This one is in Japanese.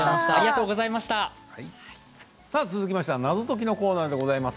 続きましては謎解きのコーナーでございます。